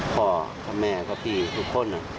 พ่อกับแม่กับพี่ทุกคน